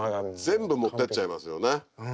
全部持ってっちゃいますよね。